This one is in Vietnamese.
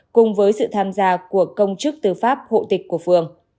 cùng với sự tham gia của công chức tư pháp hộ tịch của phường